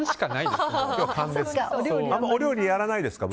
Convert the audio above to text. お料理やらないですか？